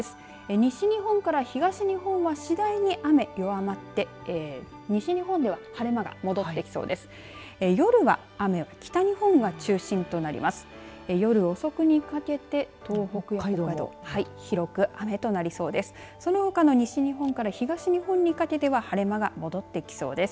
西日本から東日本は次第に雨、弱まって西日本では晴れ間が戻ってきそうです。